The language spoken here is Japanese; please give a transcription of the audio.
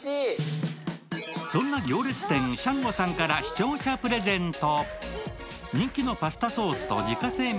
そんな行列店ＳＨＡＮＧＯさんから視聴者プレゼント。